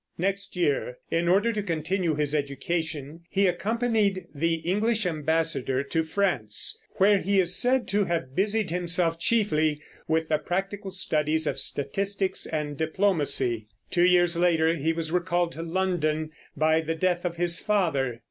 Next year, in order to continue his education, he accompanied the English ambassador to France, where he is said to have busied himself chiefly with the practical studies of statistics and diplomacy. Two years later he was recalled to London by the death of his father.